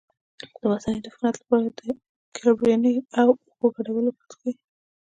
د مثانې د عفونت لپاره د کرینبیري او اوبو ګډول وڅښئ